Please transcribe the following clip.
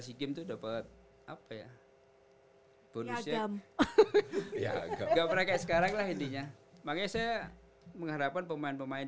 si game tuh dapat apa ya bonusnya agam nggak pernah kayak sekarang lah intinya makanya saya mengharapkan pemain pemain